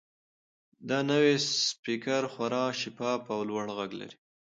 دا نوی سپیکر خورا شفاف او لوړ غږ لري.